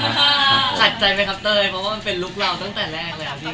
หลักใจไหมครับเตยเพราะว่ามันเป็นลูกเราตั้งแต่แรกแล้ว